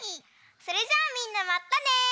それじゃあみんなまたね！